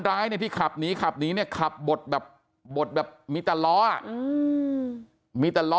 ร้ายเนี่ยที่ขับหนีขับหนีเนี่ยขับบดแบบบดแบบมีแต่ล้อมีแต่ล้อ